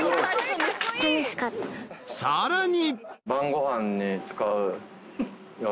［さらに］